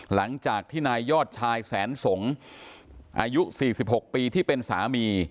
หลังจากที่นายยอดชายแสนสงฆ์อายุ๔๖ปีที่เป็นสามี